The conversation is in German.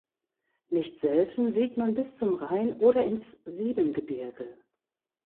Nicht selten sieht man bis zum Rhein oder ins Siebengebirge.